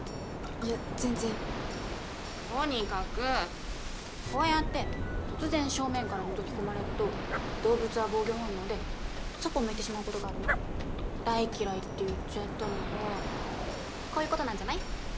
いや全然とにかくこうやって突然正面からのぞき込まれると動物は防御本能でそっぽ向いてしまうことがあるの「大嫌い」って言っちゃったのはこういうことなんじゃない？